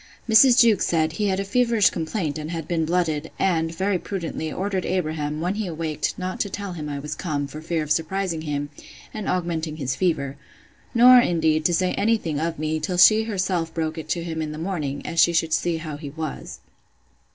Mrs. Jewkes said, He had a feverish complaint, and had been blooded; and, very prudently, ordered Abraham, when he awaked, not to tell him I was come, for fear of surprising him, and augmenting his fever; nor, indeed, to say any thing of me, till she herself broke it to him in the morning, as she should see how he was.